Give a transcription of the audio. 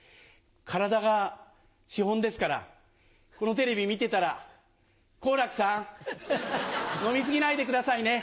体が資本ですからこのテレビ見てたら好楽さん飲み過ぎないでくださいね。